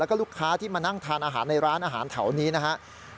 แล้วก็ลูกค้าที่มานั่งทานอาหารในร้านอาหารแถวนี้นะครับ